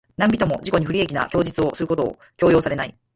何人（なんびと）も自己に不利益な供述をすることを強要されない。